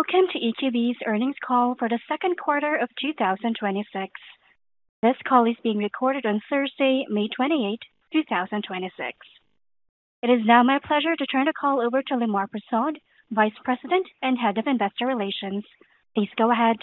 Welcome to EQB's earnings call for the second quarter of 2026. This call is being recorded on Thursday, May 28, 2026. It is now my pleasure to turn the call over to Lemar Persaud, Vice President and Head of Investor Relations. Please go ahead.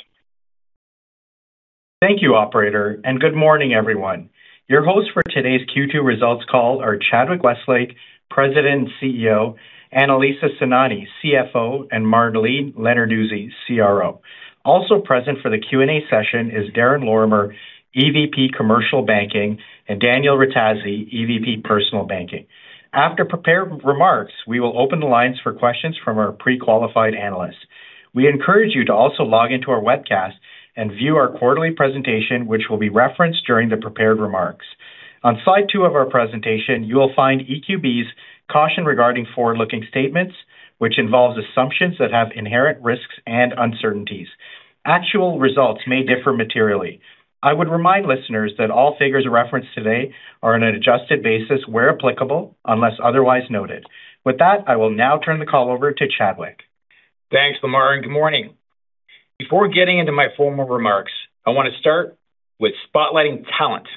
Thank you, operator, and good morning, everyone. Your hosts for today's Q2 results call are Chadwick Westlake, President and CEO, Anilisa Sainani, CFO, and Marlene Lenarduzzi, CRO. Also present for the Q&A session is Darren Lorimer, EVP Commercial Banking, and Daniel Rethazy, EVP Personal Banking. After prepared remarks, we will open the lines for questions from our pre-qualified analysts. We encourage you to also log in to our webcast and view our quarterly presentation, which will be referenced during the prepared remarks. On slide two of our presentation, you will find EQB's caution regarding forward-looking statements, which involves assumptions that have inherent risks and uncertainties. Actual results may differ materially. I would remind listeners that all figures referenced today are on an adjusted basis where applicable unless otherwise noted. With that, I will now turn the call over to Chadwick. Thanks, Lemar, and good morning. Before getting into my formal remarks, I want to start with spotlighting talent.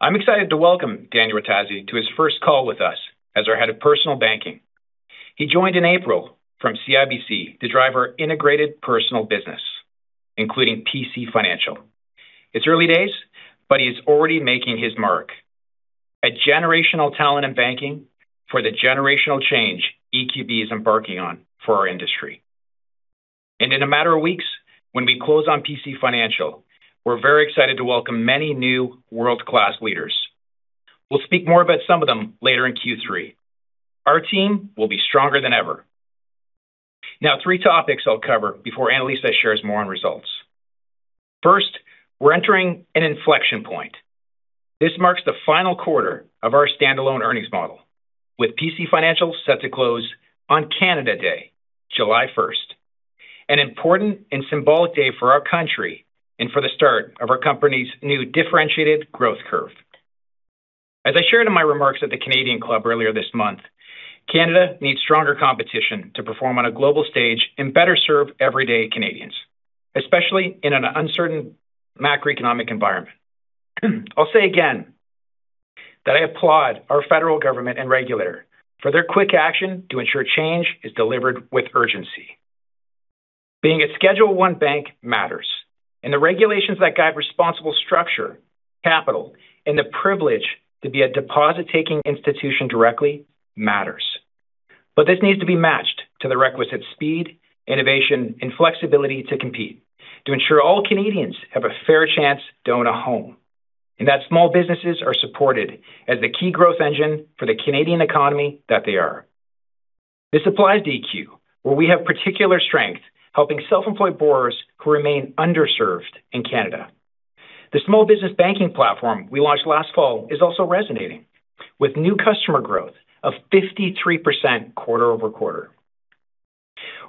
I'm excited to welcome Daniel Rethazy to his first call with us as our Head of Personal Banking. He joined in April from CIBC to drive our integrated personal business, including PC Financial. It's early days, but he's already making his mark. A generational talent in banking for the generational change EQB is embarking on for our industry. In a matter of weeks, when we close on PC Financial, we're very excited to welcome many new world-class leaders. We'll speak more about some of them later in Q3. Our team will be stronger than ever. Now, three topics I'll cover before Anilisa shares more on results. First, we're entering an inflection point. This marks the final quarter of our standalone earnings model with PC Financial set to close on Canada Day, July 1st, an important and symbolic day for our country and for the start of our company's new differentiated growth curve. As I shared in my remarks at the Canadian Club earlier this month, Canada needs stronger competition to perform on a global stage and better serve everyday Canadians, especially in an uncertain macroeconomic environment. I'll say again that I applaud our federal government and regulator for their quick action to ensure change is delivered with urgency. Being a Schedule I bank matters. The regulations that guide responsible structure, capital, and the privilege to be a deposit-taking institution directly matters. This needs to be matched to the requisite speed, innovation, and flexibility to compete to ensure all Canadians have a fair chance to own a home, and that small businesses are supported as the key growth engine for the Canadian economy that they are. This applies to EQ, where we have particular strength helping self-employed borrowers who remain underserved in Canada. The small business banking platform we launched last fall is also resonating with new customer growth of 53% quarter-over-quarter.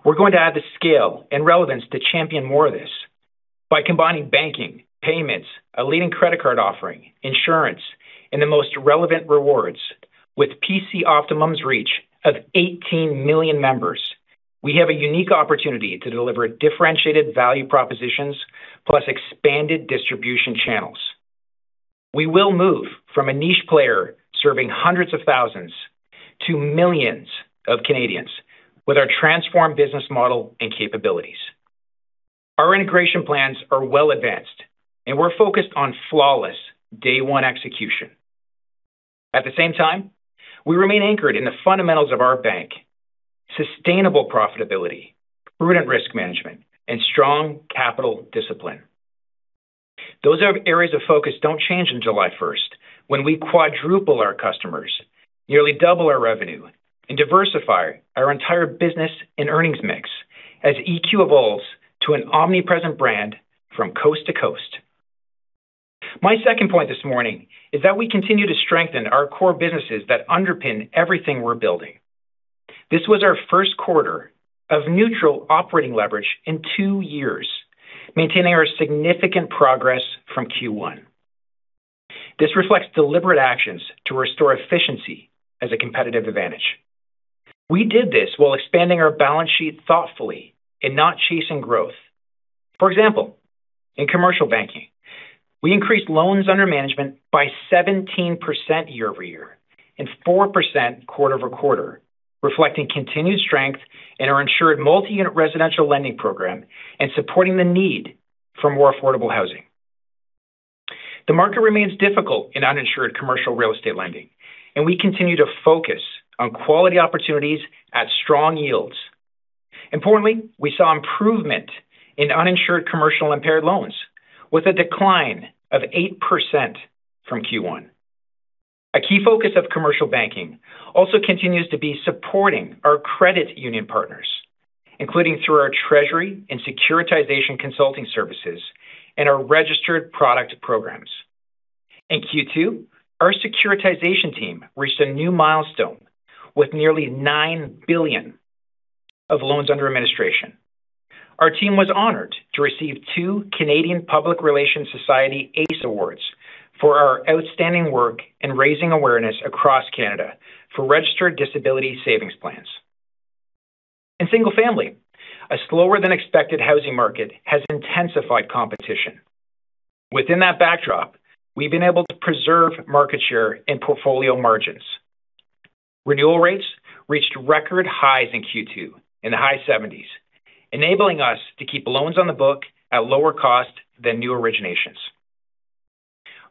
We're going to add the scale and relevance to champion more of this by combining banking, payments, a leading credit card offering, insurance, and the most relevant rewards with PC Optimum's reach of 18 million members. We have a unique opportunity to deliver differentiated value propositions plus expanded distribution channels. We will move from a niche player serving hundreds of thousands to millions of Canadians with our transformed business model and capabilities. Our integration plans are well advanced and we're focused on flawless day one execution. At the same time, we remain anchored in the fundamentals of our bank, sustainable profitability, prudent risk management, and strong capital discipline. Those areas of focus don't change on July 1st when we quadruple our customers, nearly double our revenue, and diversify our entire business and earnings mix as EQ evolves to an omnipresent brand from coast to coast. My second point this morning is that we continue to strengthen our core businesses that underpin everything we're building. This was our first quarter of neutral operating leverage in two years, maintaining our significant progress from Q1. This reflects deliberate actions to restore efficiency as a competitive advantage. We did this while expanding our balance sheet thoughtfully and not chasing growth. For example, in Commercial Banking, we increased loans under management by 17% year-over-year and 4% quarter-over-quarter, reflecting continued strength in our insured multi-unit residential lending program and supporting the need for more affordable housing. The market remains difficult in uninsured commercial real estate lending, and we continue to focus on quality opportunities at strong yields. Importantly, we saw improvement in uninsured commercial impaired loans with a decline of 8% from Q1. A key focus of Commercial Banking also continues to be supporting our credit union partners, including through our treasury and securitization consulting services and our registered product programs. In Q2, our securitization team reached a new milestone with nearly 9 billion of loans under administration. Our team was honored to receive two Canadian Public Relations Society ACE Awards for our outstanding work in raising awareness across Canada for Registered Disability Savings Plans. In single family, a slower-than-expected housing market has intensified competition. Within that backdrop, we've been able to preserve market share and portfolio margins. Renewal rates reached record highs in Q2 in the high 70s, enabling us to keep loans on the book at lower cost than new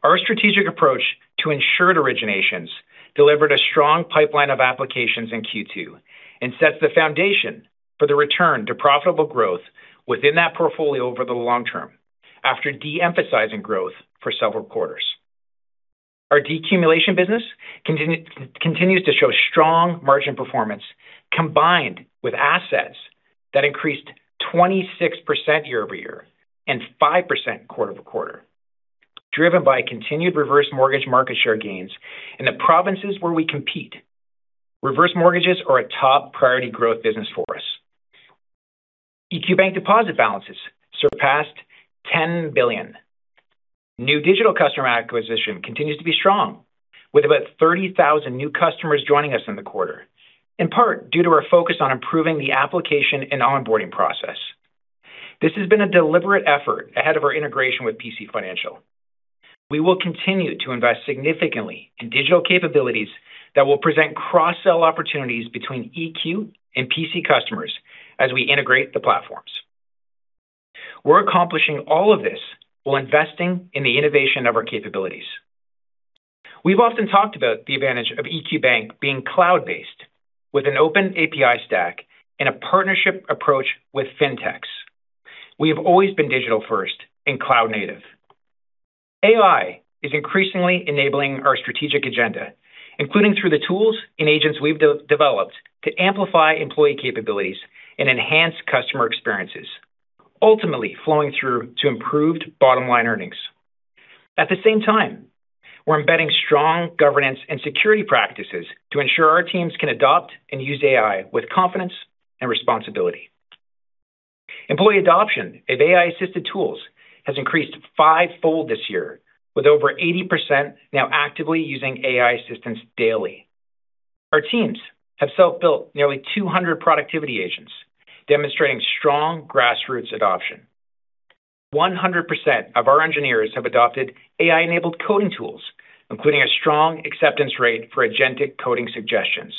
originations. Our strategic approach to insured originations delivered a strong pipeline of applications in Q2 and sets the foundation for the return to profitable growth within that portfolio over the long term after de-emphasizing growth for several quarters. Our decumulation business continues to show strong margin performance combined with assets that increased 26% year-over-year and 5% quarter-over-quarter, driven by continued reverse mortgage market share gains in the provinces where we compete. Reverse mortgages are a top priority growth business for us. EQ Bank deposit balances surpassed 10 billion. New digital customer acquisition continues to be strong with about 30,000 new customers joining us in the quarter, in part due to our focus on improving the application and onboarding process. This has been a deliberate effort ahead of our integration with PC Financial. We will continue to invest significantly in digital capabilities that will present cross-sell opportunities between EQ and PC customers as we integrate the platforms. We're accomplishing all of this while investing in the innovation of our capabilities. We've often talked about the advantage of EQ Bank being cloud-based with an open API stack and a partnership approach with fintechs. We have always been digital-first and cloud native. AI is increasingly enabling our strategic agenda, including through the tools and agents we've developed to amplify employee capabilities and enhance customer experiences, ultimately flowing through to improved bottom-line earnings. At the same time, we're embedding strong governance and security practices to ensure our teams can adopt and use AI with confidence and responsibility. Employee adoption of AI-assisted tools has increased fivefold this year, with over 80% now actively using AI assistance daily. Our teams have self-built nearly 200 productivity agents, demonstrating strong grassroots adoption. 100% of our engineers have adopted AI-enabled coding tools, including a strong acceptance rate for agentic coding suggestions.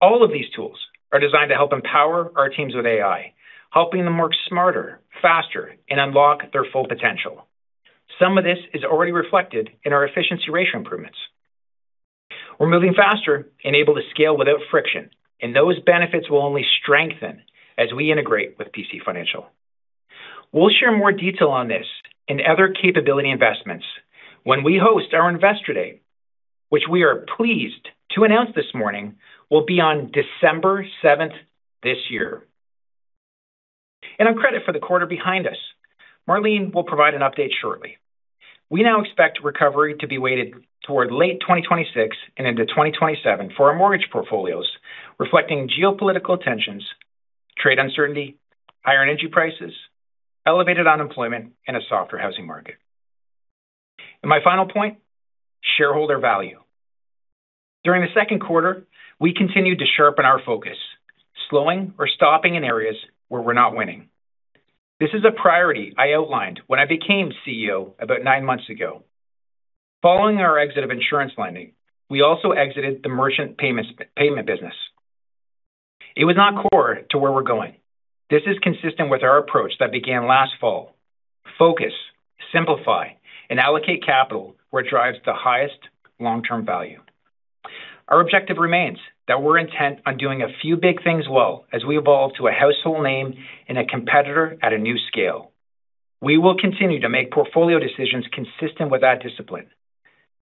All of these tools are designed to help empower our teams with AI, helping them work smarter, faster, and unlock their full potential. Some of this is already reflected in our efficiency ratio improvements. We're moving faster and able to scale without friction. Those benefits will only strengthen as we integrate with PC Financial. We'll share more detail on this and other capability investments when we host our investor day, which we are pleased to announce this morning will be on December 7th this year. On credit for the quarter behind us, Marlene will provide an update shortly. We now expect recovery to be weighted toward late 2026 and into 2027 for our mortgage portfolios, reflecting geopolitical tensions, trade uncertainty, higher energy prices, elevated unemployment, and a softer housing market. My final point, shareholder value. During the second quarter, we continued to sharpen our focus, slowing or stopping in areas where we're not winning. This is a priority I outlined when I became CEO about nine months ago. Following our exit of insurance lending, we also exited the merchant payment business. It was not core to where we're going. This is consistent with our approach that began last fall: Focus, simplify, and allocate capital where it drives the highest long-term value. Our objective remains that we're intent on doing a few big things well as we evolve to a household name and a competitor at a new scale. We will continue to make portfolio decisions consistent with that discipline.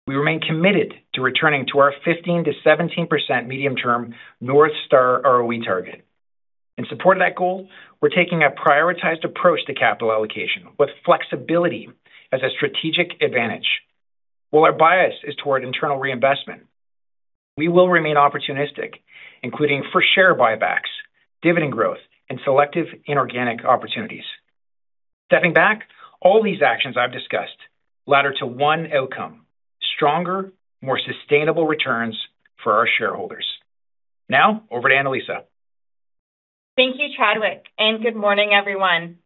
We remain committed to returning to our 15%-17% medium-term North Star ROE target. In support of that goal, we're taking a prioritized approach to capital allocation with flexibility as a strategic advantage. While our bias is toward internal reinvestment, we will remain opportunistic, including for share buybacks, dividend growth, and selective inorganic opportunities. Stepping back, all these actions I've discussed ladder to one outcome: stronger, more sustainable returns for our shareholders. Now over to Anilisa. Thank you, Chadwick, and good morning, everyone.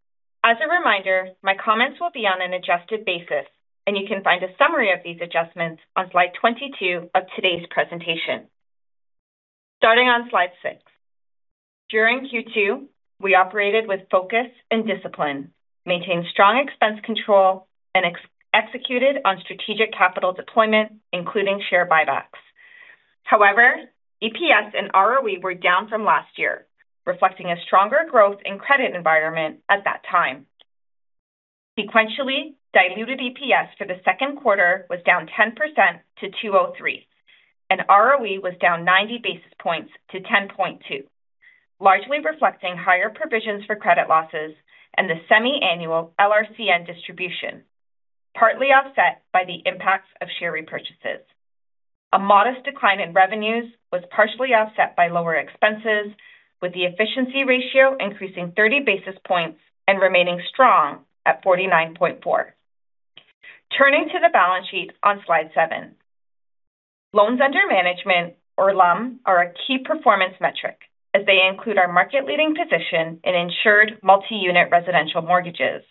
As a reminder, my comments will be on an adjusted basis, and you can find a summary of these adjustments on slide 22 of today's presentation. Starting on slide six. During Q2, we operated with focus and discipline, maintained strong expense control, and executed on strategic capital deployment, including share buybacks. However, EPS and ROE were down from last year, reflecting a stronger growth in credit environment at that time. Sequentially, diluted EPS for the second quarter was down 10% to 2.03, and ROE was down 90 basis points to 10.2, largely reflecting higher provisions for credit losses and the semi-annual LRCN distribution, partly offset by the impacts of share repurchases. A modest decline in revenues was partially offset by lower expenses, with the efficiency ratio increasing 30 basis points and remaining strong at 49.4. Turning to the balance sheet on slide seven. Loans under management, or LUM, are a key performance metric, as they include our market-leading position in insured multi-unit residential mortgages.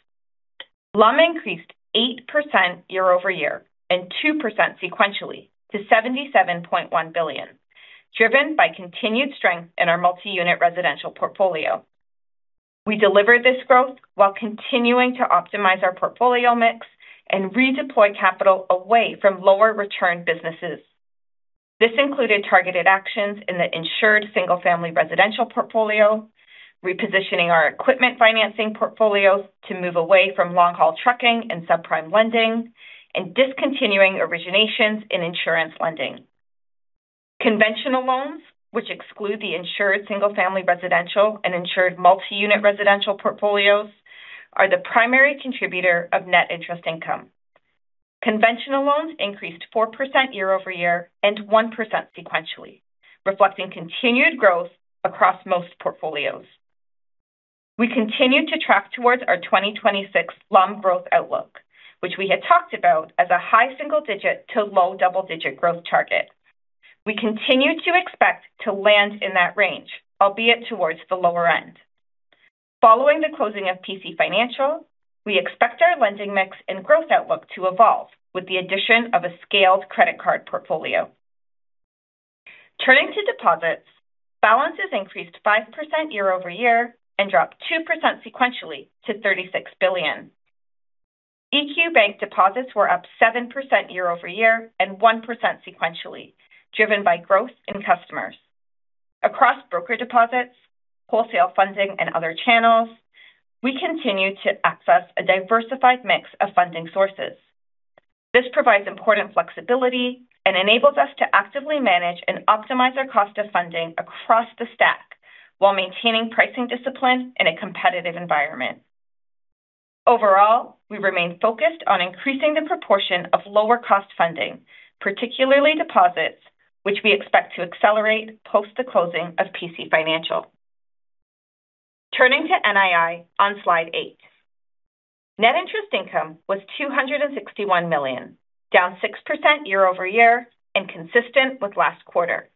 LUM increased 8% year-over-year and 2% sequentially to 77.1 billion, driven by continued strength in our multi-unit residential portfolio. We delivered this growth while continuing to optimize our portfolio mix and redeploy capital away from lower return businesses. This included targeted actions in the insured single-family residential portfolio, repositioning our equipment financing portfolios to move away from long-haul trucking and subprime lending, and discontinuing originations in insurance lending. Conventional loans, which exclude the insured single-family residential and insured multi-unit residential portfolios, are the primary contributor of net interest income. Conventional loans increased 4% year-over-year and 1% sequentially, reflecting continued growth across most portfolios. We continue to track towards our 2026 LUM growth outlook, which we had talked about as a high single-digit to low double-digit growth target. We continue to expect to land in that range, albeit towards the lower end. Following the closing of PC Financial, we expect our lending mix and growth outlook to evolve with the addition of a scaled credit card portfolio. Turning to deposits, balances increased 5% year-over-year and dropped 2% sequentially to 36 billion. EQ Bank deposits were up 7% year-over-year and 1% sequentially, driven by growth in customers. Across broker deposits, wholesale funding, and other channels, we continue to access a diversified mix of funding sources. This provides important flexibility and enables us to actively manage and optimize our cost of funding across the stack while maintaining pricing discipline in a competitive environment. Overall, we remain focused on increasing the proportion of lower-cost funding, particularly deposits, which we expect to accelerate post the closing of PC Financial. Turning to NII on slide eight. Net interest income was 261 million, down 6% year-over-year and consistent with last quarter.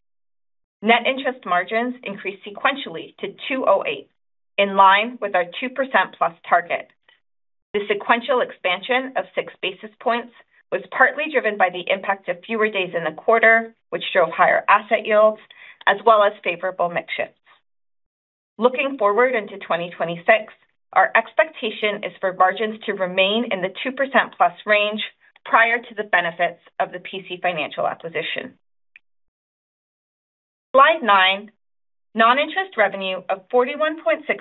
Net interest margins increased sequentially to 2.08%, in line with our 2% + target. The sequential expansion of six basis points was partly driven by the impact of fewer days in the quarter, which show higher asset yields, as well as favorable mix shifts. Looking forward into 2026, our expectation is for margins to remain in the 2%+ range prior to the benefits of the PC Financial acquisition. Slide nine, non-interest revenue of 41.6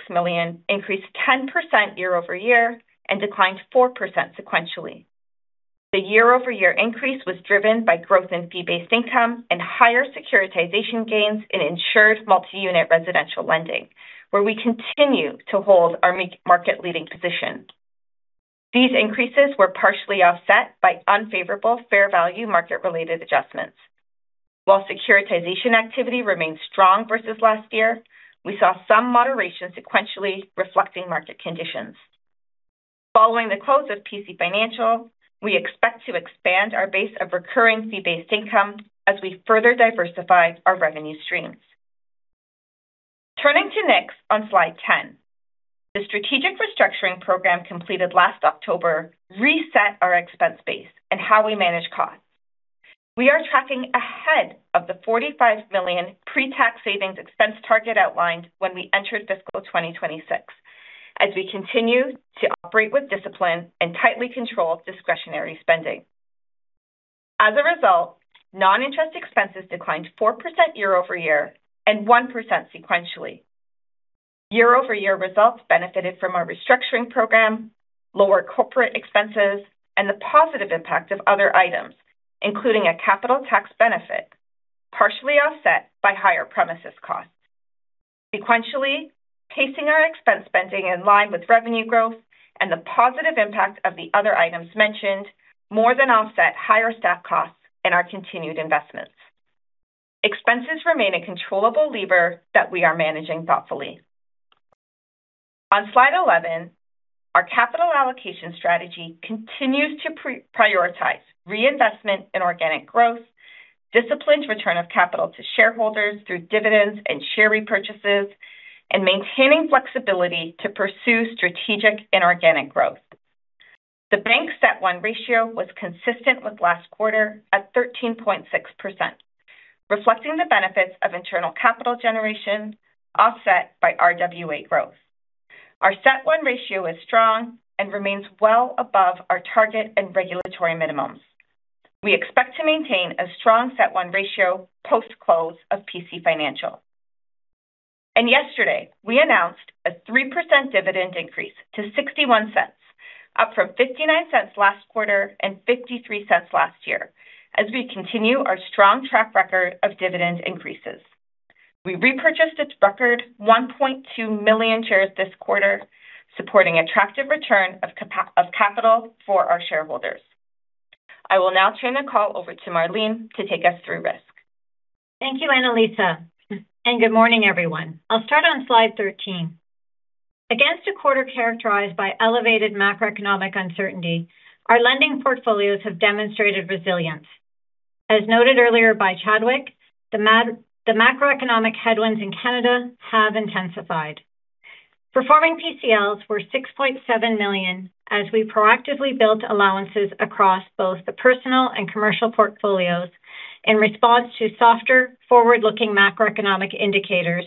million increased 10% year-over-year and declined 4% sequentially. The year-over-year increase was driven by growth in fee-based income and higher securitization gains in insured multi-unit residential lending, where we continue to hold our market-leading position. These increases were partially offset by unfavorable fair value market-related adjustments. While securitization activity remains strong versus last year, we saw some moderation sequentially reflecting market conditions. Following the close of PC Financial, we expect to expand our base of recurring fee-based income as we further diversify our revenue streams. Turning to next on Slide 10. The strategic restructuring program completed last October reset our expense base and how we manage costs. We are tracking ahead of the 45 million pre-tax savings expense target outlined when we entered fiscal 2026, as we continue to operate with discipline and tightly control discretionary spending. As a result, non-interest expenses declined 4% year-over-year and 1% sequentially. Year-over-year results benefited from our restructuring program, lower corporate expenses, and the positive impact of other items, including a capital tax benefit, partially offset by higher premises costs. Sequentially, pacing our expense spending in line with revenue growth and the positive impact of the other items mentioned more than offset higher staff costs and our continued investments. Expenses remain a controllable lever that we are managing thoughtfully. On slide 11, our capital allocation strategy continues to prioritize reinvestment in organic growth, disciplined return of capital to shareholders through dividends and share repurchases, and maintaining flexibility to pursue strategic inorganic growth. The Bank CET1 ratio was consistent with last quarter at 13.6%, reflecting the benefits of internal capital generation offset by RWA growth. Our CET1 ratio is strong and remains well above our target and regulatory minimums. We expect to maintain a strong CET1 ratio post-close of PC Financial. Yesterday, we announced a 3% dividend increase to 0.61, up from 0.59 last quarter and 0.53 last year as we continue our strong track record of dividend increases. We repurchased its record 1.2 million shares this quarter, supporting attractive return of capital for our shareholders. I will now turn the call over to Marlene to take us through risk. Thank you, Anilisa. Good morning, everyone. I'll start on slide 13. Against a quarter characterized by elevated macroeconomic uncertainty, our lending portfolios have demonstrated resilience. As noted earlier by Chadwick, the macroeconomic headwinds in Canada have intensified. Performing PCLs were 6.7 million, as we proactively built allowances across both the personal and commercial portfolios in response to softer forward-looking macroeconomic indicators,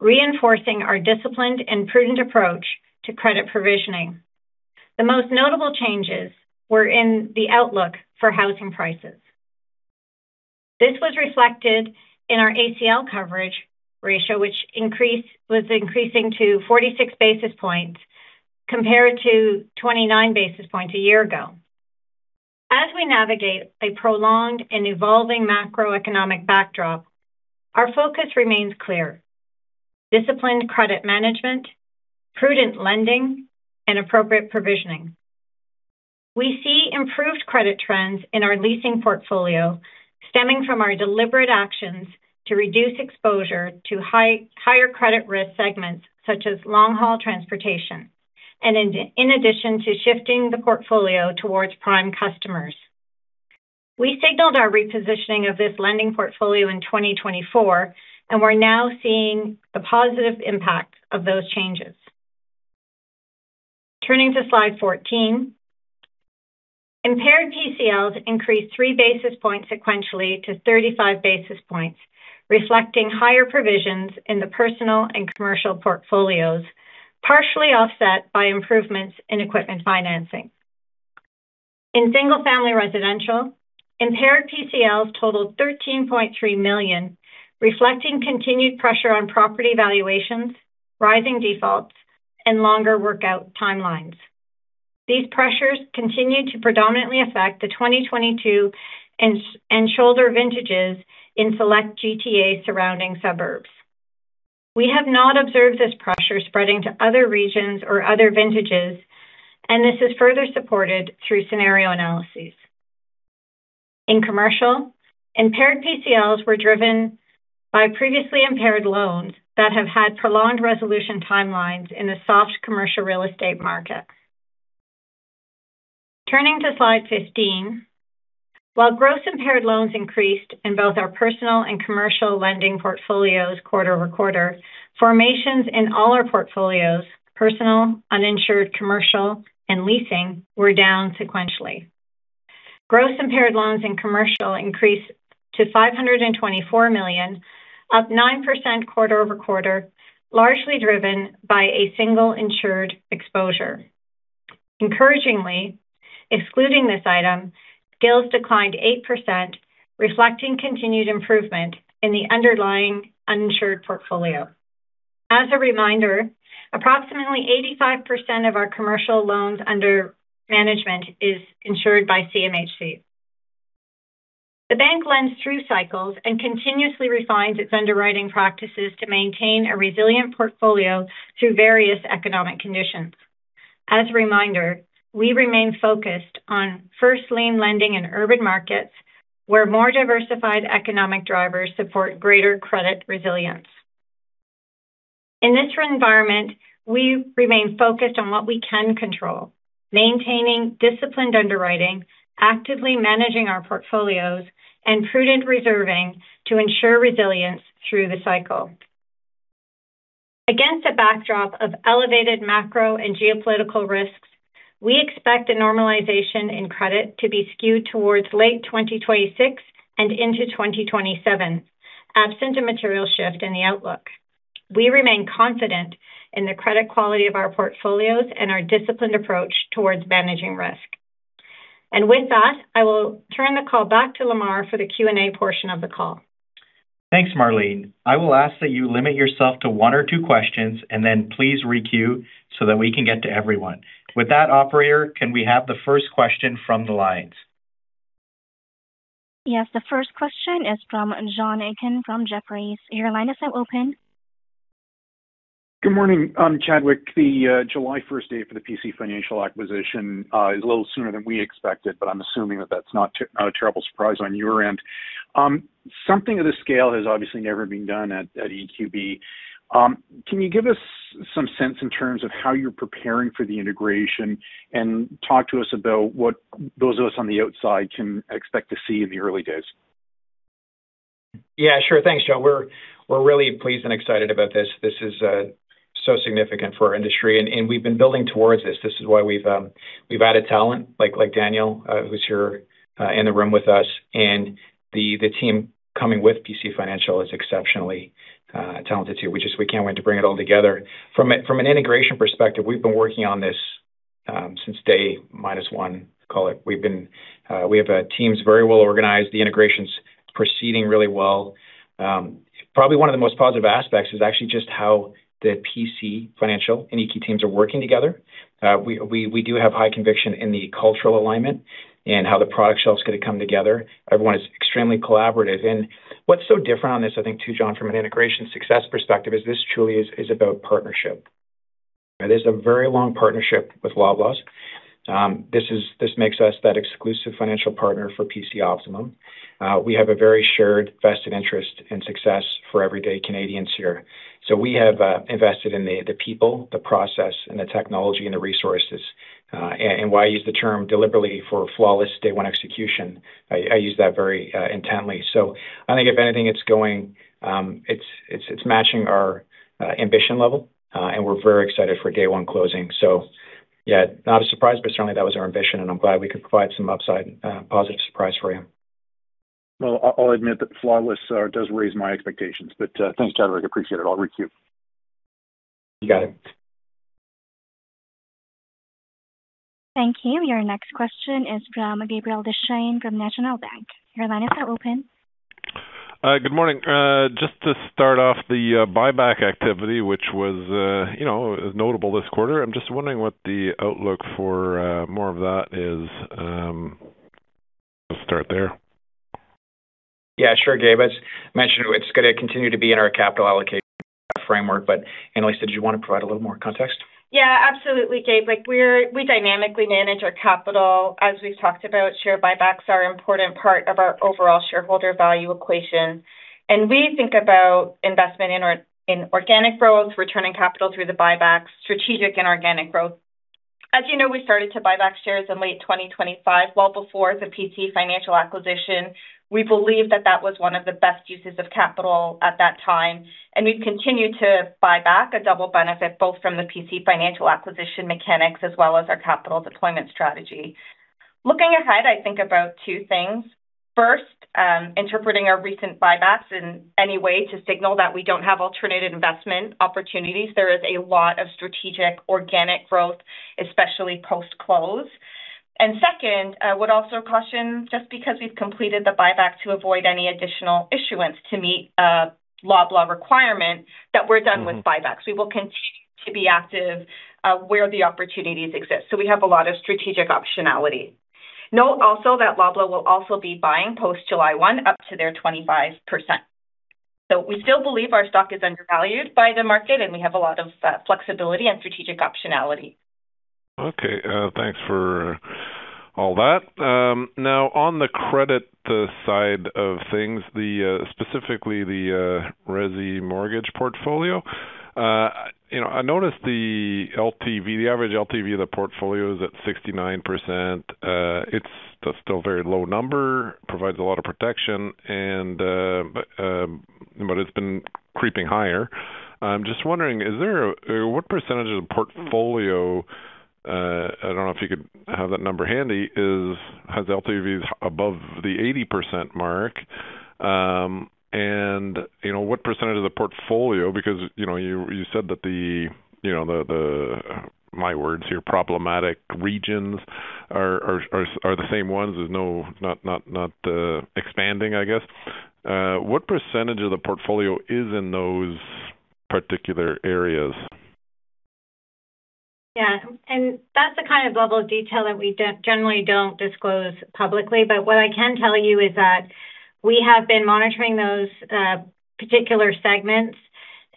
reinforcing our disciplined and prudent approach to credit provisioning. The most notable changes were in the outlook for housing prices. This was reflected in our ACL coverage ratio, which was increasing to 46 basis points compared to 29 basis points a year ago. As we navigate a prolonged and evolving macroeconomic backdrop, our focus remains clear. Disciplined credit management, prudent lending, and appropriate provisioning. We see improved credit trends in our leasing portfolio stemming from our deliberate actions to reduce exposure to higher credit risk segments such as long-haul transportation and in addition to shifting the portfolio towards prime customers. We signaled our repositioning of this lending portfolio in 2024, and we're now seeing the positive impact of those changes. Turning to slide 14, impaired PCLs increased three basis points sequentially to 35 basis points, reflecting higher provisions in the personal and commercial portfolios, partially offset by improvements in equipment financing. In single-family residential, impaired PCLs totaled 13.3 million, reflecting continued pressure on property valuations, rising defaults, and longer workout timelines. These pressures continued to predominantly affect the 2022 and shoulder vintages in select GTA surrounding suburbs. We have not observed this pressure spreading to other regions or other vintages, and this is further supported through scenario analyses. In commercial, impaired PCLs were driven by previously impaired loans that have had prolonged resolution timelines in the soft commercial real estate market. Turning to slide 15, while gross impaired loans increased in both our personal and commercial lending portfolios quarter-over-quarter, formations in all our portfolios, personal, uninsured commercial, and leasing, were down sequentially. Gross impaired loans in commercial increased to 524 million, up 9% quarter-over-quarter, largely driven by a single insured exposure. Encouragingly, excluding this item, GILs declined 8%, reflecting continued improvement in the underlying uninsured portfolio. As a reminder, approximately 85% of our commercial loans under management is insured by CMHC. The bank lends through cycles and continuously refines its underwriting practices to maintain a resilient portfolio through various economic conditions. As a reminder, we remain focused on first-lien lending in urban markets, where more diversified economic drivers support greater credit resilience. In this environment, we remain focused on what we can control, maintaining disciplined underwriting, actively managing our portfolios, and prudent reserving to ensure resilience through the cycle. Against a backdrop of elevated macro and geopolitical risks, we expect a normalization in credit to be skewed towards late 2026 and into 2027, absent a material shift in the outlook. We remain confident in the credit quality of our portfolios and our disciplined approach towards managing risk. With that, I will turn the call back to Lemar for the Q&A portion of the call. Thanks, Marlene. I will ask that you limit yourself to one or two questions and then please re-queue so that we can get to everyone. With that, operator, can we have the first question from the lines? Yes, the first question is from John Aiken from Jefferies. Your line is now open. Good morning. Chadwick, the July 1st date for the PC Financial acquisition is a little sooner than we expected. I'm assuming that that's not a terrible surprise on your end. Something of this scale has obviously never been done at EQB. Can you give us some sense in terms of how you're preparing for the integration and talk to us about what those of us on the outside can expect to see in the early days? Yeah, sure. Thanks, John. We're really pleased and excited about this. This is so significant for our industry, and we've been building towards this. This is why we've added talent like Daniel, who's here in the room with us, and the team coming with PC Financial is exceptionally talented, too. We just can't wait to bring it all together. From an integration perspective, we've been working on this since day minus one, call it. We have teams very well organized. The integration's proceeding really well. Probably one of the most positive aspects is actually just how the PC Financial and EQ teams are working together. We do have high conviction in the cultural alignment and how the product shelf's going to come together. Everyone is extremely collaborative. What's so different on this, I think too, John, from an integration success perspective is this truly is about partnership. It is a very long partnership with Loblaw. This makes us that exclusive financial partner for PC Optimum. We have a very shared vested interest in success for everyday Canadians here. We have invested in the people, the process, and the technology, and the resources. Why I use the term deliberately for flawless day one execution, I use that very intently. I think if anything, it's matching our ambition level, and we're very excited for day one closing. Yeah, not a surprise, but certainly that was our ambition, and I'm glad we could provide some upside, positive surprise for you. Well, I'll admit that flawless does raise my expectations, but thanks, Chadwick. I appreciate it. I'll re-queue. You got it. Thank you. Your next question is from Gabriel Dechaine from National Bank. Your line is now open. Good morning. Just to start off the buyback activity, which was notable this quarter, I'm just wondering what the outlook for more of that is. I'll start there. Yeah, sure, Gabe. As mentioned, it's going to continue to be in our capital allocation framework. Anilisa, did you want to provide a little more context? Yeah, absolutely, Gabe. We dynamically manage our capital. As we've talked about, share buybacks are an important part of our overall shareholder value equation. We think about investment in organic growth, returning capital through the buybacks, strategic and organic growth. As you know, we started to buy back shares in late 2025, well before the PC Financial acquisition. We believe that that was one of the best uses of capital at that time, and we've continued to buy back a double benefit both from the PC Financial acquisition mechanics as well as our capital deployment strategy. Looking ahead, I think about two things. First, interpreting our recent buybacks in any way to signal that we don't have alternate investment opportunities. There is a lot of strategic organic growth, especially post-close. Second, I would also caution, just because we've completed the buyback to avoid any additional issuance to meet a Loblaw requirement, that we're done with buybacks. We will continue to be active, where the opportunities exist. We have a lot of strategic optionality. Note also that Loblaw will also be buying post July 1 up to their 25%. We still believe our stock is undervalued by the market, and we have a lot of flexibility and strategic optionality. Okay. Thanks for all that. On the credit side of things, specifically the resi mortgage portfolio, I noticed the average LTV of the portfolio is at 69%. It's still a very low number, provides a lot of protection, but it's been creeping higher. I'm just wondering, what percentage of the portfolio, I don't know if you could have that number handy, has LTVs above the 80% mark? What percentage of the portfolio, because you said that the, my words here, problematic regions are the same ones. There's no expanding, I guess. What percentage of the portfolio is in those particular areas? Yeah. That's the kind of level of detail that we generally don't disclose publicly. What I can tell you is that we have been monitoring those particular segments,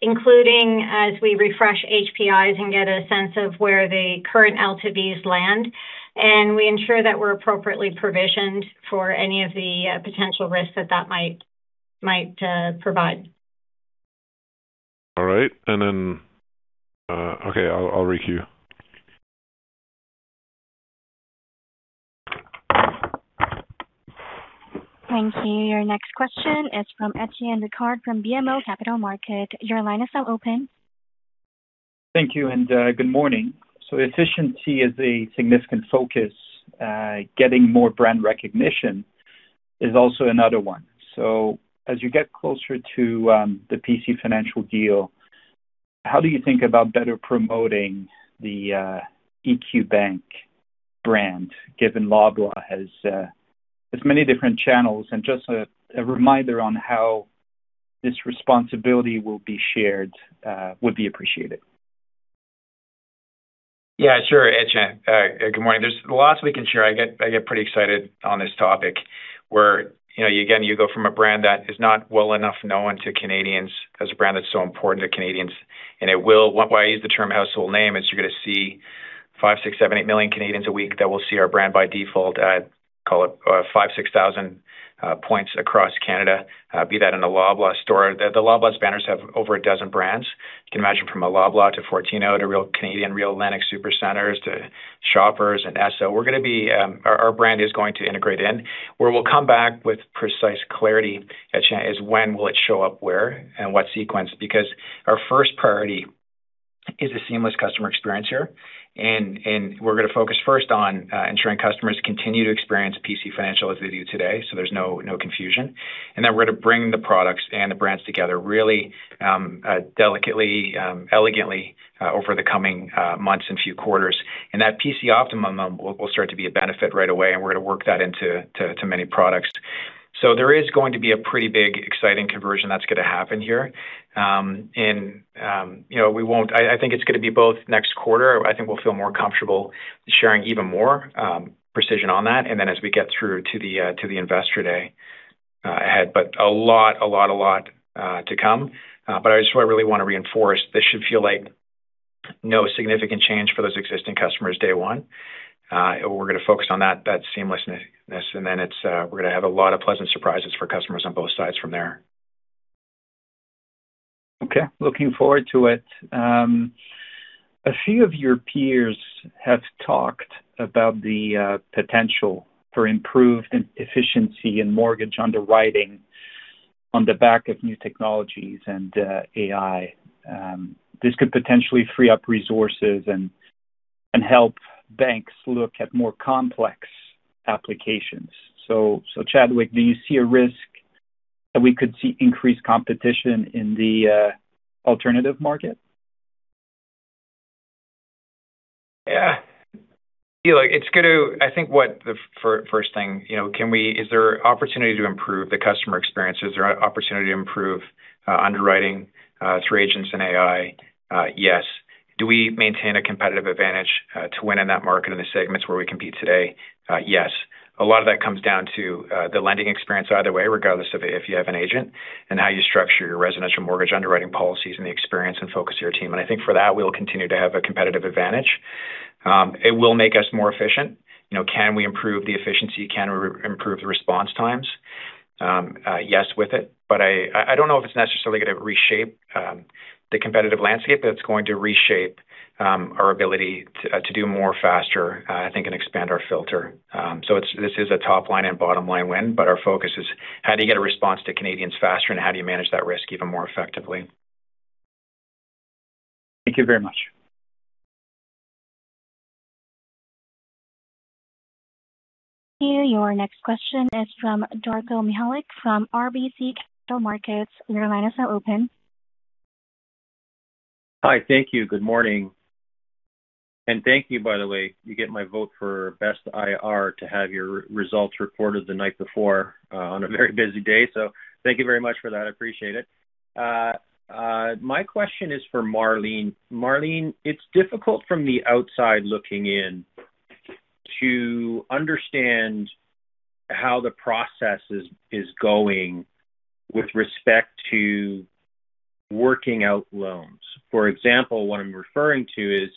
including as we refresh HPIs and get a sense of where the current LTVs land, and we ensure that we're appropriately provisioned for any of the potential risks that that might provide. All right. Okay, I'll re-queue. Thank you. Your next question is from Étienne Ricard from BMO Capital Markets. Your line is now open. Thank you, and good morning. Efficiency is a significant focus. Getting more brand recognition is also another one. As you get closer to the PC Financial deal, how do you think about better promoting the EQ Bank brand, given Loblaw has many different channels? Just a reminder on how this responsibility will be shared would be appreciated. Yeah, sure, Étienne. Good morning. There's lots we can share. I get pretty excited on this topic where, again, you go from a brand that is not well enough known to Canadians as a brand that's so important to Canadians. Why I use the term household name is you're going to see 5, 6, 7, 8 million Canadians a week that will see our brand by default at, call it, 5,000, 6,000 points across Canada, be that in a Loblaw store. The Loblaw's banners have over a dozen brands. You can imagine from a Loblaw to Fortinos to Real Canadian, Real Atlantic Superstore to Shoppers and Esso. Our brand is going to integrate in. Where we'll come back with precise clarity, Étienne, is when will it show up where and what sequence? Because our first priority is a seamless customer experience here, and we're going to focus first on ensuring customers continue to experience PC Financial as they do today. There's no confusion. Then we're going to bring the products and the brands together really delicately, elegantly, over the coming months and few quarters. That PC Optimum will start to be a benefit right away, and we're going to work that into many products. There is going to be a pretty big, exciting conversion that's going to happen here. I think it's going to be both next quarter, I think we'll feel more comfortable sharing even more precision on that, and then as we get through to the investor day. A lot to come. I just really want to reinforce this should feel like no significant change for those existing customers day one. We're going to focus on that seamlessness, and then we're going to have a lot of pleasant surprises for customers on both sides from there. Okay. Looking forward to it. A few of your peers have talked about the potential for improved efficiency in mortgage underwriting on the back of new technologies and AI. This could potentially free up resources and help banks look at more complex applications. Chadwick, do you see a risk that we could see increased competition in the alternative market? Yeah. I think what the first thing, is there opportunity to improve the customer experience? Is there opportunity to improve underwriting through agents and AI? Yes. Do we maintain a competitive advantage to win in that market in the segments where we compete today? Yes. A lot of that comes down to the lending experience either way, regardless of if you have an agent and how you structure your residential mortgage underwriting policies and the experience and focus of your team. I think for that, we will continue to have a competitive advantage. It will make us more efficient. Can we improve the efficiency? Can we improve the response times? Yes with it. I don't know if it's necessarily going to reshape the competitive landscape, but it's going to reshape our ability to do more faster, I think, and expand our filter. This is a top-line and bottom-line win, but our focus is how do you get a response to Canadians faster, and how do you manage that risk even more effectively. Thank you very much. Your next question is from Darko Mihelic from RBC Capital Markets. Your line is now open. Hi. Thank you. Good morning. Thank you, by the way, you get my vote for best IR to have your results reported the night before on a very busy day. Thank you very much for that. I appreciate it. My question is for Marlene. Marlene, it's difficult from the outside looking in to understand how the process is going with respect to working out loans. For example, what I'm referring to is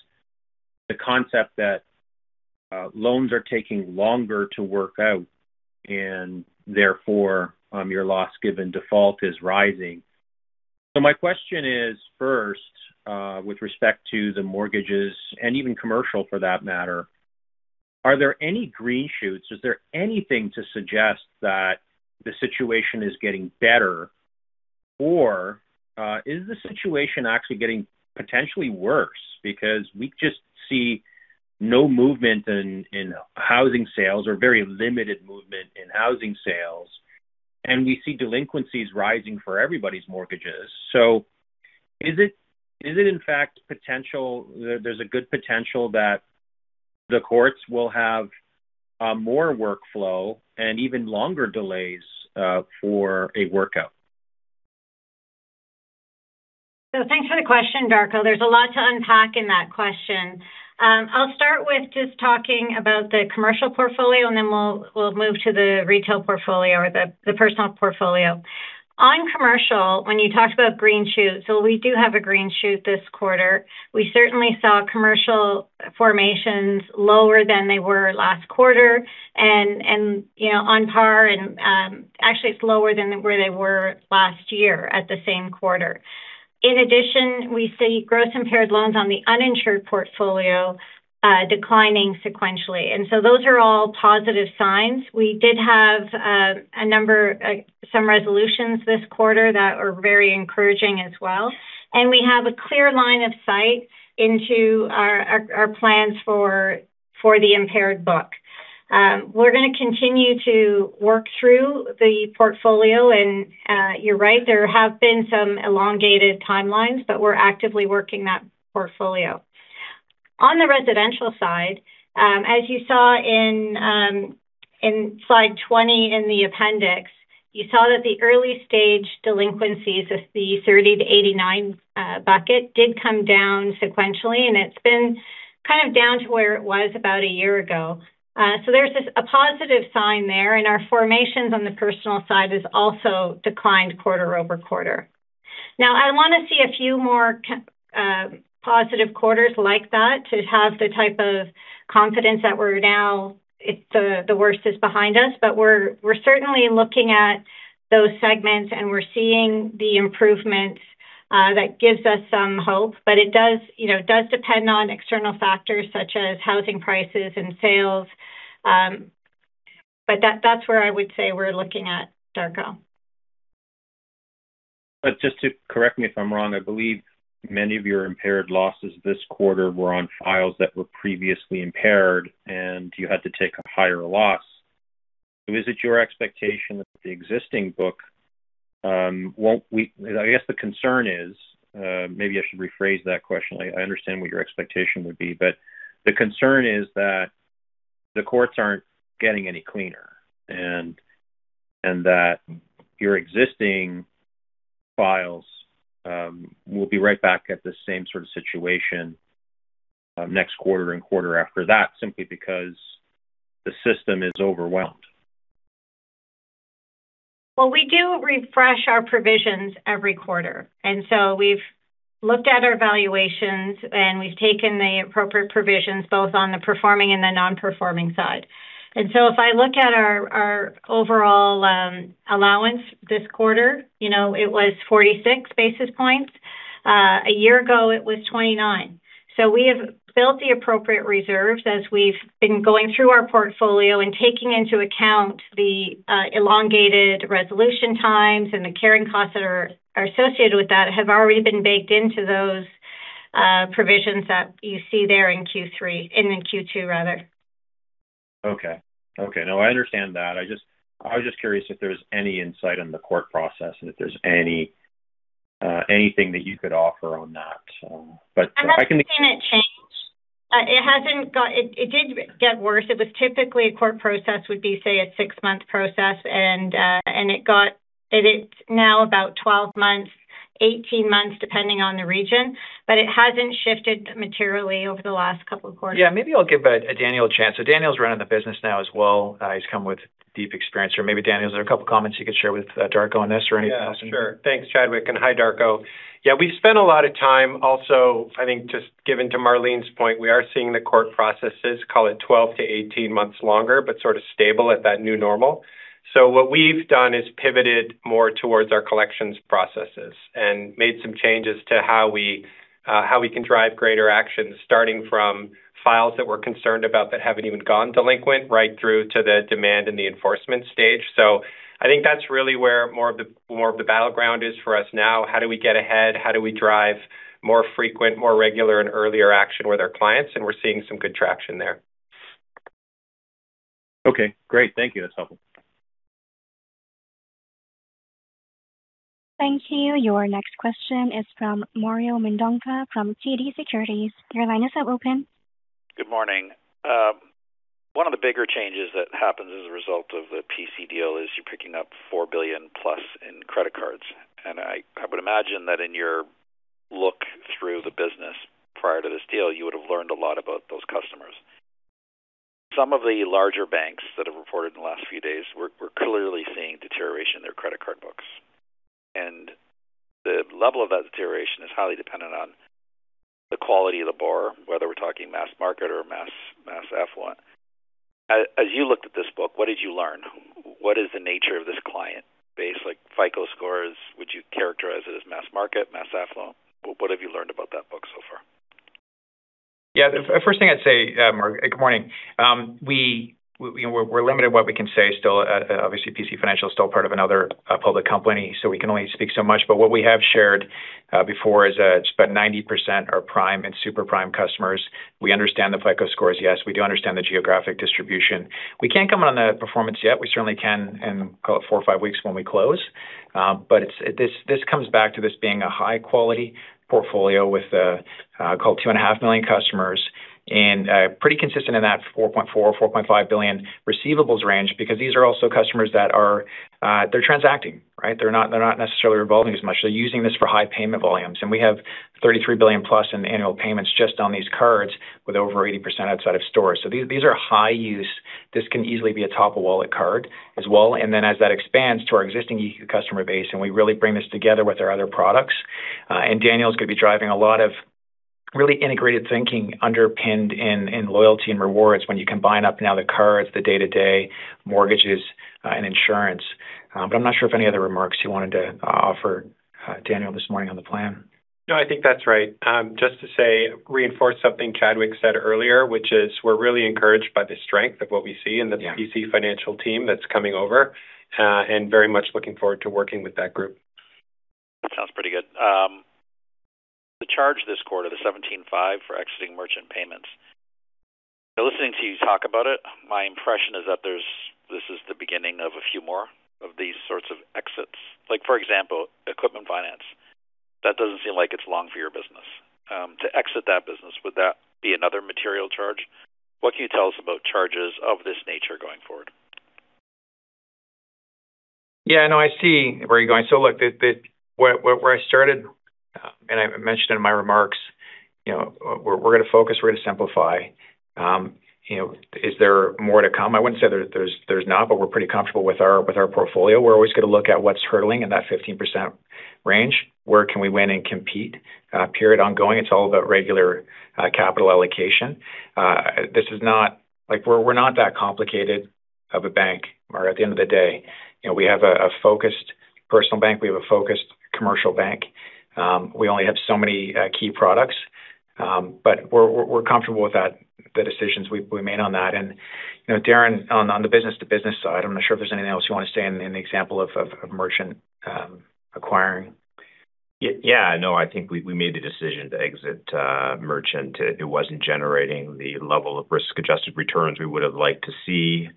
the concept that loans are taking longer to work out and therefore your loss given default is rising. My question is, first, with respect to the mortgages and even commercial for that matter, are there any green shoots? Is there anything to suggest that the situation is getting better, or is the situation actually getting potentially worse? We just see no movement in housing sales or very limited movement in housing sales, and we see delinquencies rising for everybody's mortgages. Is it in fact potential, there's a good potential that the courts will have more workflow and even longer delays for a workout? Thanks for the question, Darko. There's a lot to unpack in that question. I'll start with just talking about the commercial portfolio, and then we'll move to the retail portfolio or the personal portfolio. On commercial, when you talked about green shoots, so we do have a green shoot this quarter. We certainly saw commercial formations lower than they were last quarter and on par and actually it's lower than where they were last year at the same quarter. In addition, we see gross impaired loans on the uninsured portfolio declining sequentially, and so those are all positive signs. We did have some resolutions this quarter that are very encouraging as well, and we have a clear line of sight into our plans for the impaired book. We're going to continue to work through the portfolio and, you're right, there have been some elongated timelines, but we're actively working that portfolio. On the residential side, as you saw in slide 20 in the appendix, you saw that the early-stage delinquencies of the 30-89 bucket did come down sequentially, and it's been kind of down to where it was about a year ago. There's a positive sign there, and our formations on the personal side has also declined quarter-over-quarter. Now I want to see a few more positive quarters like that to have the type of confidence that we're now the worst is behind us. We're certainly looking at those segments and we're seeing the improvements. That gives us some hope, but it does depend on external factors such as housing prices and sales. That's where I would say we're looking at, Darko. Just to correct me if I'm wrong, I believe many of your impaired losses this quarter were on files that were previously impaired and you had to take a higher loss. Is it your expectation that the existing book won't? I guess the concern is, maybe I should rephrase that question. I understand what your expectation would be, but the concern is that the courts aren't getting any cleaner, and that your existing files will be right back at the same sort of situation. Next quarter and quarter after that, simply because the system is overwhelmed. Well, we do refresh our provisions every quarter. We've looked at our valuations, and we've taken the appropriate provisions both on the performing and the non-performing side. If I look at our overall allowance this quarter, it was 46 basis points. A year ago, it was 29 basis points. We have built the appropriate reserves as we've been going through our portfolio and taking into account the elongated resolution times and the carrying costs that are associated with that have already been baked into those provisions that you see there in Q2 rather. Okay. No, I understand that. I was just curious if there was any insight on the court process and if there's anything that you could offer on that. I'm not seeing it change. It did get worse. It was typically a court process would be, say, a six-month process, and it's now about 12 months, 18 months, depending on the region. It hasn't shifted materially over the last couple of quarters. Maybe I'll give Daniel a chance. Daniel's running the business now as well. He's come with deep experience. Maybe Daniel, is there are a couple of comments you could share with Darko on this or anything else? Yeah, sure. Thanks, Chadwick, hi, Darko. We've spent a lot of time also, I think, just given to Marlene's point, we are seeing the court processes, call it 12-18 months longer, but sort of stable at that new normal. What we've done is pivoted more towards our collections processes and made some changes to how we can drive greater action, starting from files that we're concerned about that haven't even gone delinquent, right through to the demand and the enforcement stage. I think that's really where more of the battleground is for us now. How do we get ahead? How do we drive more frequent, more regular, and earlier action with our clients? We're seeing some good traction there. Okay, great. Thank you. That's helpful. Thank you. Your next question is from Mario Mendonca from TD Securities. Your line is now open. Good morning. One of the bigger changes that happens as a result of the PC deal is you're picking up 4 billion+ in credit cards. I would imagine that in your look through the business prior to this deal, you would have learned a lot about those customers. Some of the larger banks that have reported in the last few days were clearly seeing deterioration in their credit card books. The level of that deterioration is highly dependent on the quality of the borrower, whether we're talking mass market or mass affluent. As you looked at this book, what did you learn? What is the nature of this client base? Like FICO scores, would you characterize it as mass market, mass affluent? What have you learned about that book so far? Yeah. First thing I'd say, Mario, good morning. We're limited what we can say still. Obviously, PC Financial is still part of another public company, so we can only speak so much. What we have shared before is that it's about 90% are prime and super prime customers. We understand the FICO scores, yes. We do understand the geographic distribution. We can't comment on the performance yet. We certainly can in call it four or five weeks when we close. This comes back to this being a high-quality portfolio with call it 2.5 million customers and pretty consistent in that 4.4 billion or 4.5 billion receivables range because these are also customers that are transacting, right? They're not necessarily revolving as much. They're using this for high payment volumes. We have 33 billion plus in annual payments just on these cards with over 80% outside of stores. These are high use. This can easily be a top-of-wallet card as well. Then as that expands to our existing EQ customer base, and we really bring this together with our other products. Daniel's going to be driving a lot of really integrated thinking underpinned in loyalty and rewards when you combine up now the cards, the day-to-day mortgages and insurance. I'm not sure if any other remarks you wanted to offer, Daniel, this morning on the plan? No, I think that's right. Just to reinforce something Chadwick said earlier, which is we're really encouraged by the strength of what we see. Yeah in the PC Financial team that's coming over, and very much looking forward to working with that group. Sounds pretty good. The charge this quarter, the 17.5 for exiting merchant payments. Listening to you talk about it, my impression is that this is the beginning of a few more of these sorts of exits. Like for example, equipment finance. That doesn't seem like it's long for your business. To exit that business, would that be another material charge? What can you tell us about charges of this nature going forward? Yeah, no, I see where you're going. Look, where I started, and I mentioned in my remarks, we're going to focus, we're going to simplify. Is there more to come? I wouldn't say there's not, we're pretty comfortable with our portfolio. We're always going to look at what's hurtling in that 15% range. Where can we win and compete, period ongoing. It's all about regular capital allocation. We're not that complicated of a bank, Mario, at the end of the day. We have a focused personal bank. We have a focused commercial bank. We only have so many key products. We're comfortable with the decisions we've made on that. Darren, on the business-to-business side, I'm not sure if there's anything else you want to say in the example of merchant acquiring. Yeah, no, I think we made the decision to exit merchant. It wasn't generating the level of risk-adjusted returns we would have liked to see.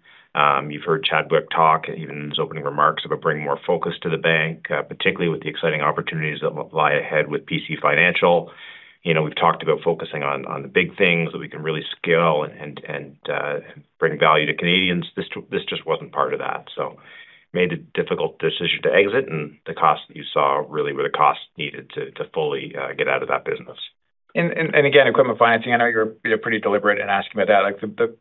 You've heard Chadwick talk, even in his opening remarks, about bringing more focus to the bank, particularly with the exciting opportunities that lie ahead with PC Financial. We've talked about focusing on the big things that we can really scale and bring value to Canadians. This just wasn't part of that. Made a difficult decision to exit, and the costs that you saw really were the costs needed to fully get out of that business. Again, equipment financing, I know you're pretty deliberate in asking about that.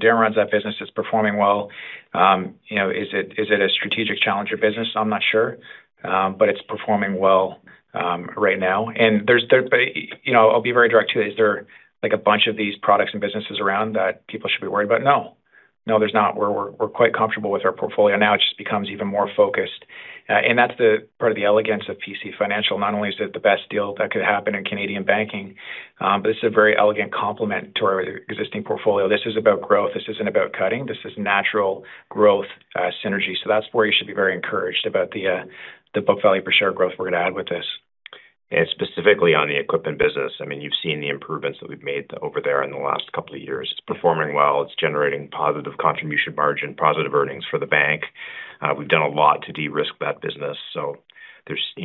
Darren runs that business. It's performing well. Is it a strategic challenge or business? I'm not sure. It's performing well right now. I'll be very direct, too. Is there a bunch of these products and businesses around that people should be worried about? No. No, there's not. We're quite comfortable with our portfolio. Now it just becomes even more focused. That's the part of the elegance of PC Financial. Not only is it the best deal that could happen in Canadian banking, but it's a very elegant complement to our existing portfolio. This is about growth. This isn't about cutting. This is natural growth synergy. That's where you should be very encouraged about the book value per share growth we're going to add with this. Specifically on the equipment business, you've seen the improvements that we've made over there in the last couple of years. It's performing well. It's generating positive contribution margin, positive earnings for the bank.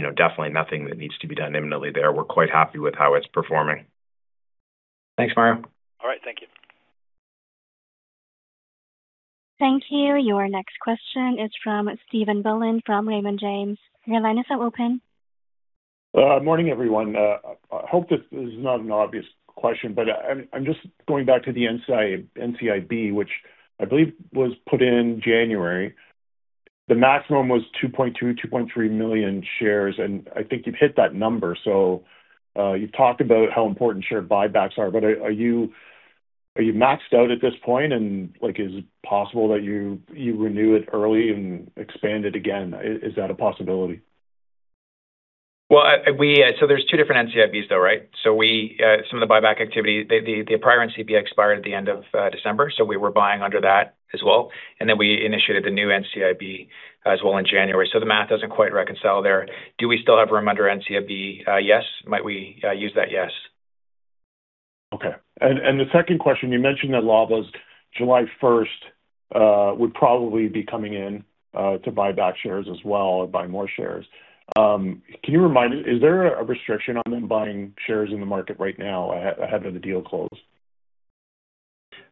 There's definitely nothing that needs to be done imminently there. We're quite happy with how it's performing. Thanks, Mario. All right. Thank you. Thank you. Your next question is from Stephen Boland from Raymond James. Your line is now open. Morning, everyone. I hope this is not an obvious question. I'm just going back to the NCIB, which I believe was put in January. The maximum was 2.2 million-2.3 million shares, and I think you've hit that number. You've talked about how important share buybacks are, but are you maxed out at this point? Is it possible that you renew it early and expand it again? Is that a possibility? There's two different NCIBs, though, right? Some of the buyback activity, the prior NCIB expired at the end of December, so we were buying under that as well. We initiated the new NCIB as well in January. The math doesn't quite reconcile there. Do we still have room under NCIB? Yes. Might we use that? Yes. Okay. The second question, you mentioned that Loblaws' July 1st would probably be coming in to buy back shares as well or buy more shares. Can you remind me, is there a restriction on them buying shares in the market right now ahead of the deal close?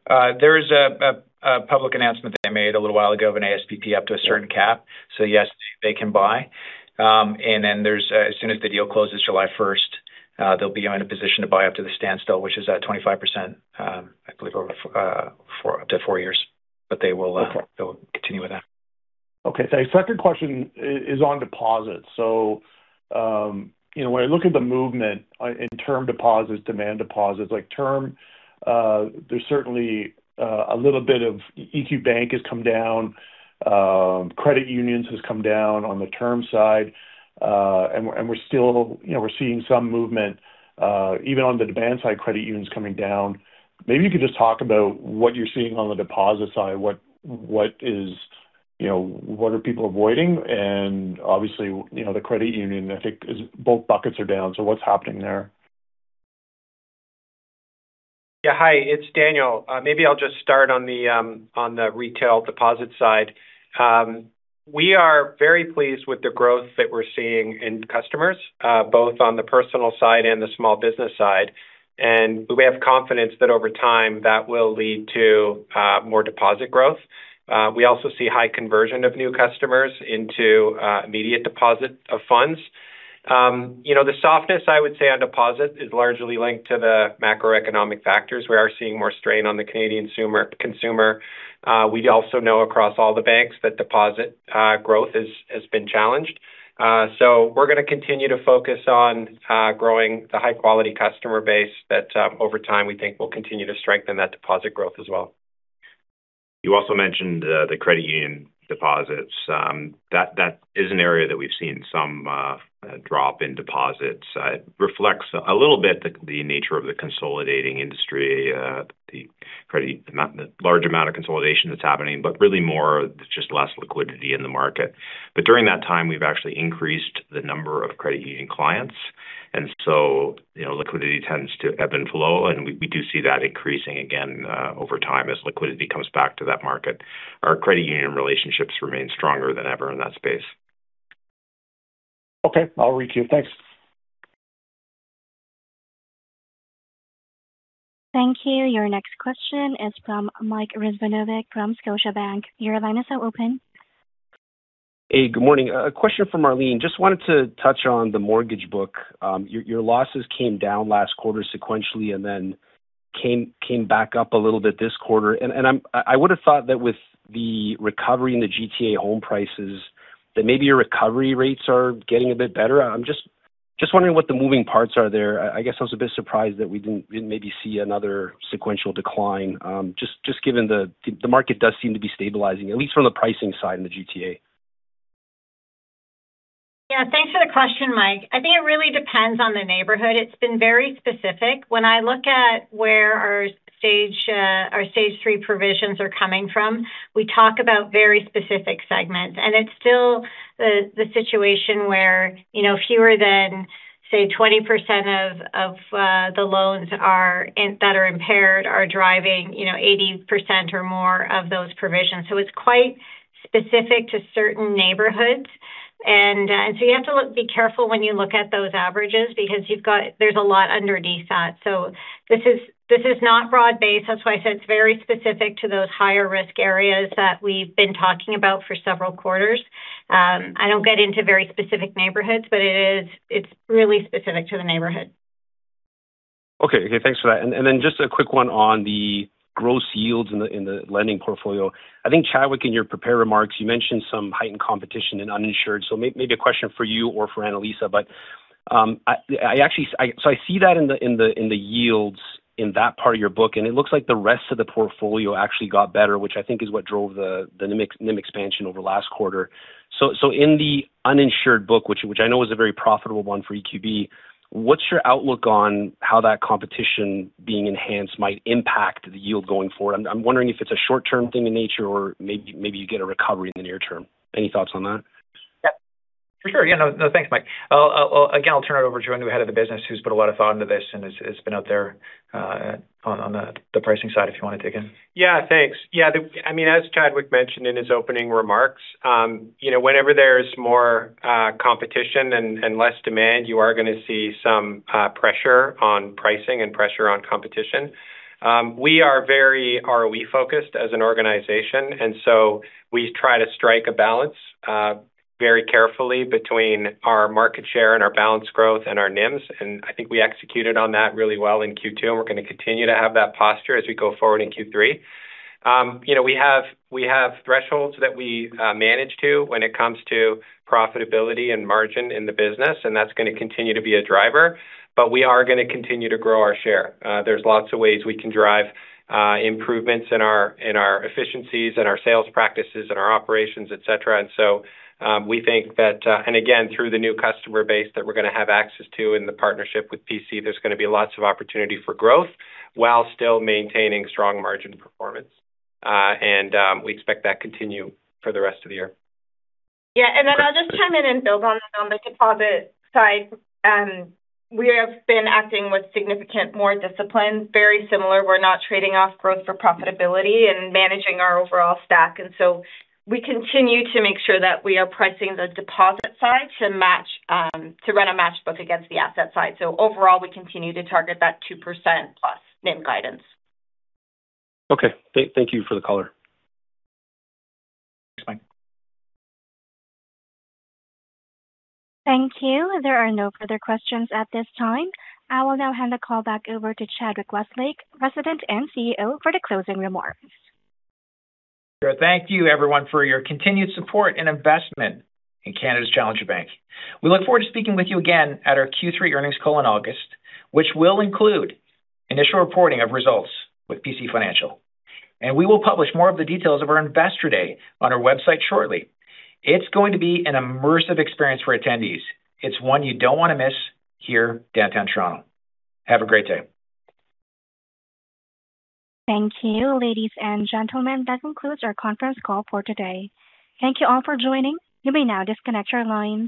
There is a public announcement they made a little while ago of an ASPP up to a certain cap. Yes, they can buy. As soon as the deal closes July 1st, they'll be in a position to buy up to the standstill, which is at 25%, I believe, up to four years. Okay continue with that. Okay, thanks. Second question is on deposits. When I look at the movement in term deposits, demand deposits, like term, there's certainly a little bit of EQ Bank has come down, credit unions has come down on the term side. We're seeing some movement even on the demand side, credit unions coming down. Maybe you could just talk about what you're seeing on the deposit side. What are people avoiding? Obviously, the credit union, I think both buckets are down. What's happening there? Hi, it's Daniel. Maybe I'll just start on the retail deposit side. We are very pleased with the growth that we're seeing in customers, both on the personal side and the small business side. We have confidence that over time, that will lead to more deposit growth. We also see high conversion of new customers into immediate deposit of funds. The softness, I would say, on deposit is largely linked to the macroeconomic factors. We are seeing more strain on the Canadian consumer. We also know across all the banks that deposit growth has been challenged. We're going to continue to focus on growing the high-quality customer base that over time we think will continue to strengthen that deposit growth as well. You also mentioned the credit union deposits. That is an area that we've seen some drop in deposits. It reflects a little bit the nature of the consolidating industry, the large amount of consolidation that's happening, but really more just less liquidity in the market. During that time, we've actually increased the number of credit union clients. Liquidity tends to ebb and flow, and we do see that increasing again over time as liquidity comes back to that market. Our credit union relationships remain stronger than ever in that space. Okay. I'll requeue. Thanks. Thank you. Your next question is from Mike Rizvanovic from Scotiabank. Your line is now open. Hey, good morning. A question for Marlene. Just wanted to touch on the mortgage book. Your losses came down last quarter sequentially and then came back up a little bit this quarter. I would have thought that with the recovery in the GTA home prices, that maybe your recovery rates are getting a bit better. I'm just wondering what the moving parts are there. I guess I was a bit surprised that we didn't maybe see another sequential decline, just given the market does seem to be stabilizing, at least from the pricing side in the GTA. Yeah, thanks for the question, Mike. I think it really depends on the neighborhood. It's been very specific. When I look at where our Stage 3 provisions are coming from, we talk about very specific segments, and it's still the situation where fewer than, say, 20% of the loans that are impaired are driving 80% or more of those provisions. It's quite specific to certain neighborhoods. You have to be careful when you look at those averages because there's a lot underneath that. This is not broad-based. That's why I said it's very specific to those higher risk areas that we've been talking about for several quarters. I don't get into very specific neighborhoods, but it's really specific to the neighborhood. Okay. Thanks for that. Just a quick one on the gross yields in the lending portfolio. I think, Chadwick, in your prepared remarks, you mentioned some heightened competition in uninsured. Maybe a question for you or for Anilisa. I see that in the yields in that part of your book, and it looks like the rest of the portfolio actually got better, which I think is what drove the NIM expansion over last quarter. In the uninsured book, which I know is a very profitable one for EQB, what's your outlook on how that competition being enhanced might impact the yield going forward? I'm wondering if it's a short-term thing in nature or maybe you get a recovery in the near term. Any thoughts on that? Yeah. For sure. Yeah. No, thanks, Mike. Again, I'll turn it over to our new head of the business, who's put a lot of thought into this and has been out there on the pricing side, if you want to dig in. Yeah, thanks. As Chadwick mentioned in his opening remarks, whenever there's more competition and less demand, you are going to see some pressure on pricing and pressure on competition. We are very ROE-focused as an organization. We try to strike a balance very carefully between our market share and our balance growth and our NIMs. I think we executed on that really well in Q2. We're going to continue to have that posture as we go forward in Q3. We have thresholds that we manage to when it comes to profitability and margin in the business. That's going to continue to be a driver. We are going to continue to grow our share. There's lots of ways we can drive improvements in our efficiencies and our sales practices and our operations, et cetera. Again, through the new customer base that we're going to have access to in the partnership with PC, there's going to be lots of opportunity for growth while still maintaining strong margin performance. We expect that continue for the rest of the year. Yeah. I'll just chime in and build on the deposit side. We have been acting with significant more discipline, very similar. We're not trading off growth for profitability and managing our overall stack. We continue to make sure that we are pricing the deposit side to run a matched book against the asset side. Overall, we continue to target that 2%+ NIM guidance. Okay. Thank you for the color. Thanks, Mike. Thank you. There are no further questions at this time. I will now hand the call back over to Chadwick Westlake, President and CEO, for the closing remarks. Sure. Thank you everyone for your continued support and investment in Canada's Challenger Bank. We look forward to speaking with you again at our Q3 earnings call in August, which will include initial reporting of results with PC Financial. We will publish more of the details of our Investor Day on our website shortly. It's going to be an immersive experience for attendees. It's one you don't want to miss here, downtown Toronto. Have a great day. Thank you, ladies and gentlemen. That concludes our conference call for today. Thank you all for joining. You may now disconnect your lines.